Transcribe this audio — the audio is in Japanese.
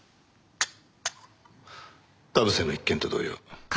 田臥の一件と同様。